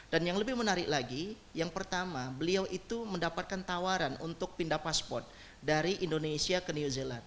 dan yang lebih menarik lagi yang pertama beliau itu mendapatkan tawaran untuk pindah paspor dari indonesia ke new zealand